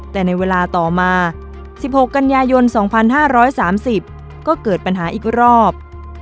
แต่ในเวลาต่อมา๑๖กันยายน๒๕๓๐ก็เกิดปัญหาอีกรอบ